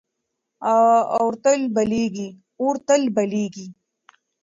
اور تل بلېږي.